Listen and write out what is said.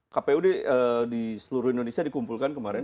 kpud di seluruh indonesia dikumpulkan kemarin